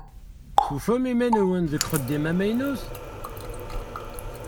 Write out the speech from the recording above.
Tufam iman-nwen deg uxeddim amaynut?